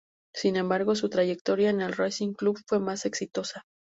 Sin embargo, su trayectoria con el Racing Club fue más exitosa.